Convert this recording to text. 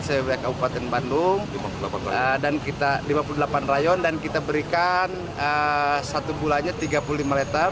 se kb kabupaten bandung dan kita berikan satu bulannya tiga puluh lima liter